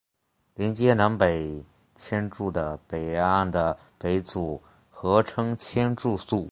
连结南北千住的北岸的北组合称千住宿。